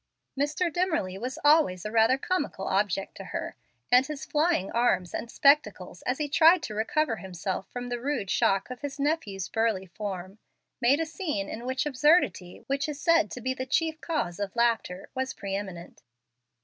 Mr. Dimmerly was always a rather comical object to her, and his flying arms and spectacles, as he tried to recover himself from the rude shock of his nephew's burly form, made a scene in which absurdity, which is said to be the chief cause of laughter, was pre eminent.